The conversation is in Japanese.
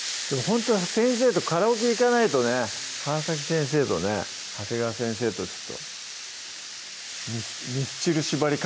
ほんとに先生とカラオケ行かないとね川先生とね長谷川先生とちょっとミスチル縛り